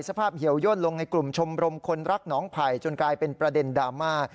เหี่ยวย่นลงในกลุ่มชมรมคนรักหนองไผ่จนกลายเป็นประเด็นดราม่า